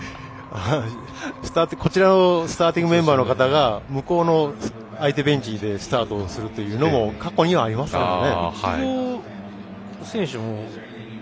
こちらのスターティングメンバーの方が向こうの相手ベンチでスタートするというのも過去にはありますよね。